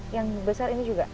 yang besar ini juga